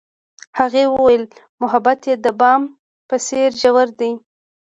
هغې وویل محبت یې د بام په څېر ژور دی.